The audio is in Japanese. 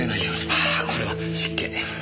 ああこれは失敬。